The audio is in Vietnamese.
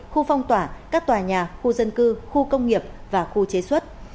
khu phong tỏa các tòa nhà khu dân cư khu công nghiệp và khu chế xuất